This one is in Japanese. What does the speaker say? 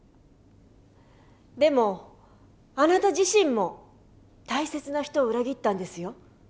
でもあなた自身も大切な人を裏切ったんですよ。